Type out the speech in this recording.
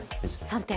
３点。